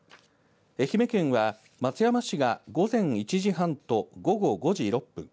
愛媛県は松山市が午前１時半と午後５時６分。